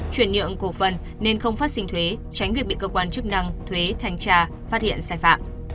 chuyển nhượng cổ phần nên không phát sinh thuế tránh việc bị cơ quan chức năng thuế thanh tra phát hiện sai phạm